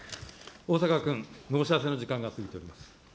逢坂君、申し合わせの時間が過ぎております。